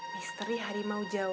misteri harimau jawa